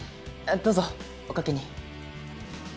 どうぞおかけに。